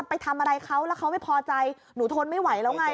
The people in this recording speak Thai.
ไปทำอะไรเขาแล้วเขาไม่พอใจหนูทนไม่ไหวแล้วไง